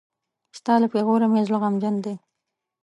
ستا له پېغوره مې زړه غمجن دی.